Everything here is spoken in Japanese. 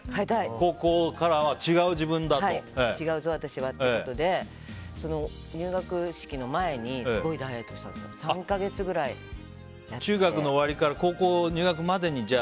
違うぞ、私はということで入学式の前にすごいダイエットして中学の終わりから高校入学までに。